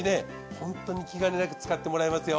ホントに気兼ねなく使ってもらえますよ。